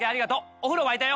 お風呂沸いたよ。